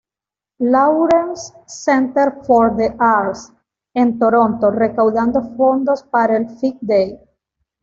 Lawrence Centre for the Arts, en Toronto, recaudando fondos para el V-day.